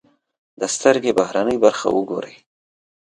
د سترکې بهرنۍ برخه و ګورئ.